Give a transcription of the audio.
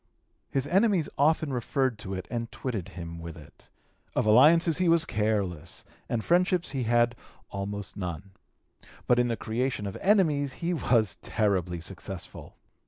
His enemies often referred to it and twitted him with it. Of alliances he was careless, and friendships he had almost none. But in the creation of enmities he was terribly successful.